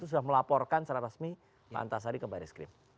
sudah melaporkan secara resmi pak antasari ke baris krim